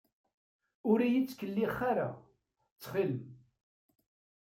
Ur iyi-ttkellix ara, ttxil-m.